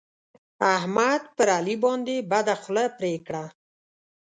احمد پر علي باندې بده خوله پرې کړه.